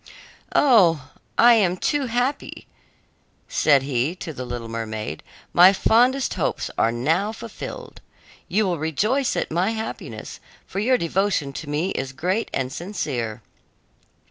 "Oh, I am too happy!" said he to the little mermaid; "my fondest hopes are now fulfilled. You will rejoice at my happiness, for your devotion to me is great and sincere."